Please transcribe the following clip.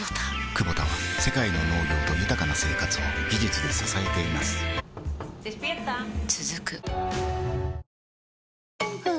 クボタは世界の農業と豊かな生活を技術で支えています起きて。